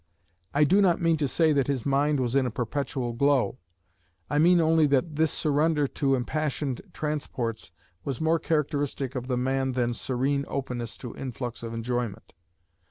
I do not mean to say that his mind was in a perpetual glow: I mean only that this surrender to impassioned transports was more characteristic of the man than serene openness to influx of enjoyment.